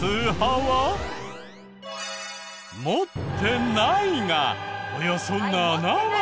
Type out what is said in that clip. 「持ってない」がおよそ７割。